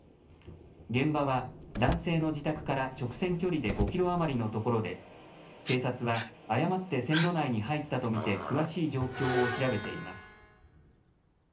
現場は男性の自宅から直線距離で５キロ余りのところで警察は誤って線路内に入ったと見て詳しい状況を調べています。